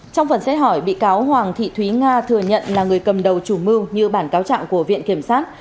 trong phần xét hỏi bị cáo hoàng thị thúy nga thừa nhận là người cầm đầu chủ mưu như bản cáo trạng của viện kiểm sát